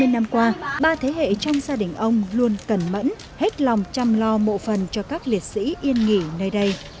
hai mươi năm qua ba thế hệ trong gia đình ông luôn cẩn mẫn hết lòng chăm lo mộ phần cho các liệt sĩ yên nghỉ nơi đây